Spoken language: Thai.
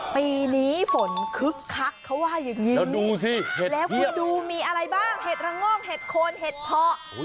ปีนี้ฝนคึกคักเขาว่าอย่างนี้แล้วดูสิแล้วคุณดูมีอะไรบ้างเห็ดระโงกเห็ดโคนเห็ดเพาะ